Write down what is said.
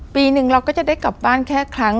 ปีหนึ่งเราก็จะได้กลับบ้านแค่ครั้ง